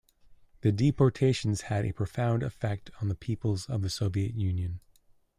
The deportations had a profound effect on the peoples of the Soviet Union.